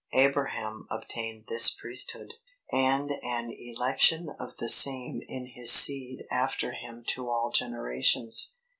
Abraham obtained this Priesthood, and an election of the same in his seed after him to all generations.